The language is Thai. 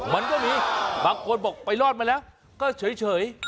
มันก็มีบางคนบอกไปรอดมาแล้วก็เฉย